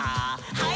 はい。